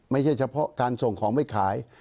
ไม่ใช่เฉพาะการส่งของไปขาย